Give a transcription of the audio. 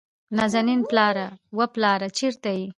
نازنين: پلاره، وه پلاره چېرته يې ؟